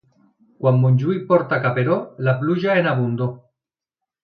Quan Montjuïc porta caperó, la pluja en abundor.